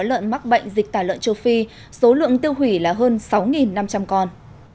lợn mắc bệnh dịch tả lợn châu phi số lượng tiêu hủy là hơn sáu năm trăm linh con